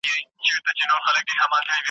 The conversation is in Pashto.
د زمري تر خولې را ووتل آهونه .